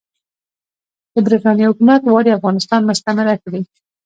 د برټانیې حکومت غواړي افغانستان مستعمره کړي.